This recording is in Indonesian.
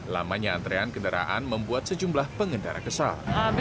lamanya antrean kendaraan membuat sejumlah pengendara kesal